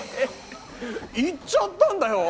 行っちゃったんだよ。